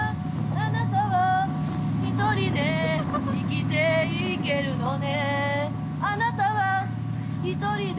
あなたは一人で生きていけるのね◆